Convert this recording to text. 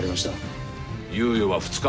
猶予は２日。